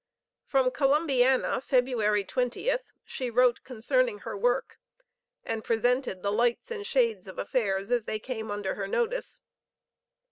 From Columbiana, February 20th, she wrote concerning her work, and presented the "lights and shades" of affairs as they came under her notice.